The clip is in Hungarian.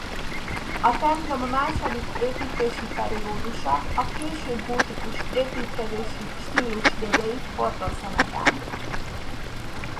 A templom második építési periódusa a késő gótikus építkezési stílus jegyeit hordozza magán.